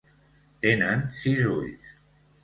Tenen sis ulls.